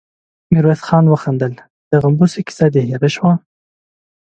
ميرويس خان وخندل: د غومبسې کيسه دې هېره شوه؟